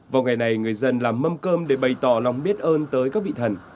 vào ngày này người dân làm mâm cơm để bày tỏ lòng biết ơn tới các vị thần